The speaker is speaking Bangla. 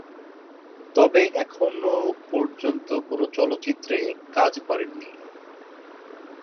তবে এখনো পর্যন্ত কোন চলচ্চিত্রে কাজ করেননি।